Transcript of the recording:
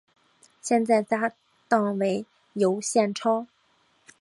现在搭档为尤宪超。